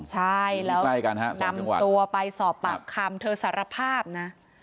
ใช่แล้วนำตัวไปสอบปากคำเธอสารภาพนะ